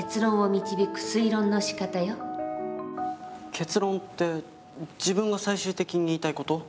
結論って自分が最終的に言いたい事？